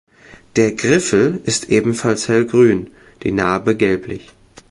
Der Griffel ist ebenfalls hellgrün, die Narbe gelblich.